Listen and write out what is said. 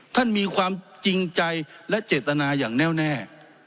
ท่านมีความจริงใจและเจตนาอย่างแน่วแน่